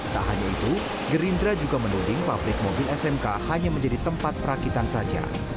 tak hanya itu gerindra juga menuding pabrik mobil smk hanya menjadi tempat perakitan saja